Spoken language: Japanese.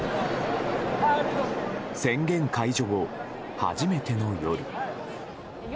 宣言解除後、初めての夜。